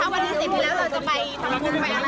ขอบคุณมากนะคะขอบคุณมากนะคะ